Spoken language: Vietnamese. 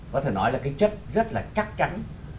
có thể nói là cái chất rất là chắc chắn